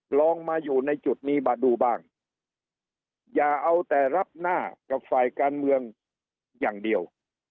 ลองมาอยู่ในจุดนี้มาดูบ้างอย่าเอาแต่รับหน้ากับฝ่ายการเมืองอย่างเดียว